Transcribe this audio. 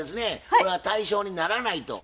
これは対象にならないと？